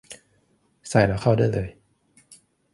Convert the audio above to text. ใส่แล้วเข้าได้เลย